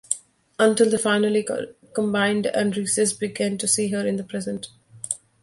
Until they finally combined and Reese began to see her in the present.